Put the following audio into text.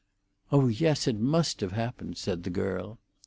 "Oh yes, it must have happened," said the girl.